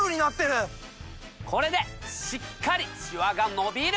これでしっかりシワがのびる！